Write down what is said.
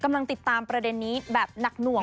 กำลังติดตามประเด็นนี้แบบหนักหน่วง